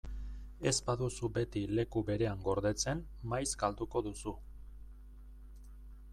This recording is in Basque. Ez baduzu beti leku berean gordetzen, maiz galduko duzu.